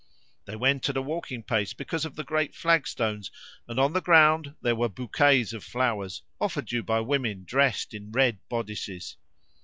They went at a walking pace because of the great flag stones, and on the ground there were bouquets of flowers, offered you by women dressed in red bodices.